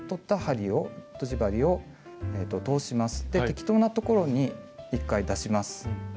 適当なところに１回出します。